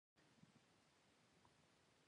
جسد سوځېد ایرې پر ځای پاتې شوې.